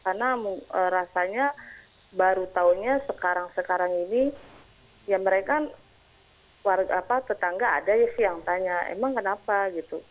karena rasanya baru tahunya sekarang sekarang ini ya mereka tetangga ada ya sih yang tanya emang kenapa gitu